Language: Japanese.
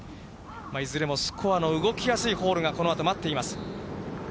いずれもスコアの動きやすいホールがこのあと待っています。